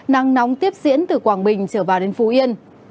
nắng nóng tiếp diễn từ quảng bình trở vào đến phú yên